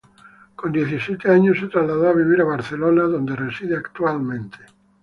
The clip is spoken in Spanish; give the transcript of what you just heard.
Con diecisiete años se trasladó a vivir a Barcelona, donde reside actualmente.